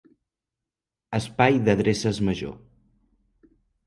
Espai d'adreces major.